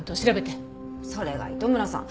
それが糸村さん